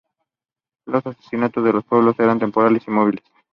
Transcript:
Los asentamiento de los pueblos eran temporales y móviles.